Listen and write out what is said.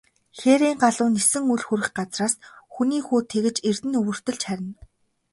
Хээрийн галуу нисэн үл хүрэх газраас, хүний хүү тэгж эрдэнэ өвөртөлж харина.